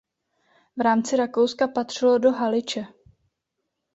V rámci Rakouska patřilo do Haliče.